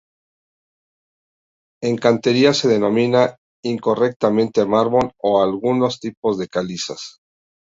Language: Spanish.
En cantería se denomina incorrectamente mármol a algunos tipos de calizas.